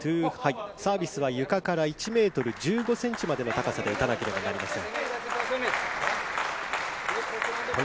サービスは床から１ｍ１５ｃｍまでの高さで打たなければいけません。